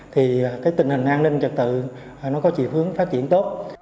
thì cái tình hình an ninh trật tự nó có chiều hướng phát triển tốt